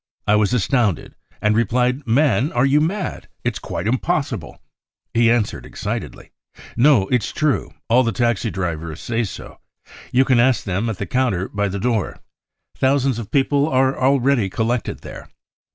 I was astounded, and replied :* Man, are you mad ? It's quite impossible !' He answered excitedly :' No, it's true, all the taxi drivers say so. You can ask them at* the counter by the door. Thousands* of people are already collected there.